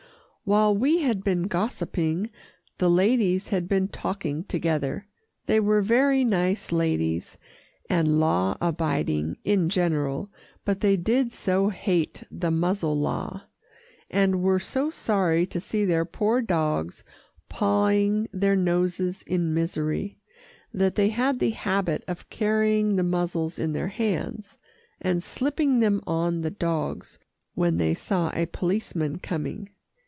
While we had been gossiping, the ladies had been talking together. They were very nice ladies, and law abiding in general, but they did so hate the muzzle law, and were so sorry to see their poor dogs pawing their noses in misery, that they had the habit of carrying the muzzles in their hands, and slipping them on the dogs when they saw a policeman coming.